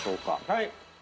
はい！